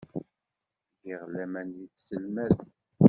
Giɣ laman deg tselmadt.